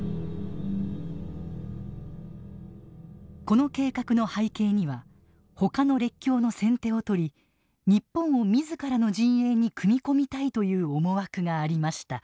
この計画の背景にはほかの列強の先手を取り日本を自らの陣営に組み込みたいという思惑がありました。